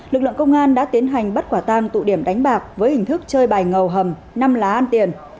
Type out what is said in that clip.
lực lượng công an đã tiến hành bắt quả tang tụ điểm đánh bạc với hình thức chơi bài ngầu hầm năm lá ăn tiền